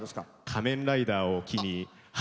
「仮面ライダー」を機に。